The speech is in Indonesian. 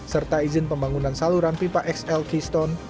serta izin pembangunan saluran pipa xl kiston